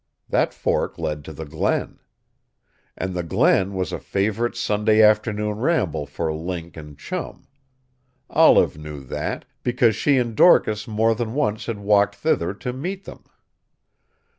That fork led to the Glen. And the Glen was a favorite Sunday afternoon ramble for Link and Chum. Olive knew that, because she and Dorcas more than once had walked thither to meet them.